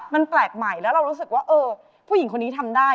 มันแปลกใหม่แล้วเรารู้สึกว่าเออผู้หญิงคนนี้ทำได้